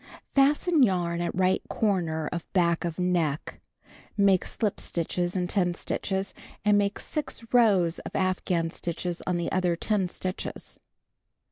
— Fasten yarn at right corner of back of neck. Make slip stit(!hes in 10 stitches, and make G rows of afghan stitches on the other 10 stitches.